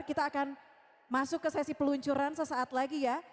kita akan masuk ke sesi peluncuran sesaat lagi ya